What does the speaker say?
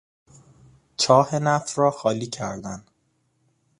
چاه نفت را خالی کردن